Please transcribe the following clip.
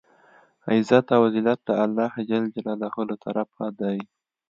عزت او زلت د الله ج له طرفه دی.